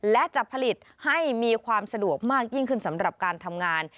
และจะผลิตให้มีความสะดวกมากยิ่งขึ้นสำหรับการทำงาน